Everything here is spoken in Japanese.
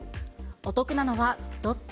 お得なのはどっち？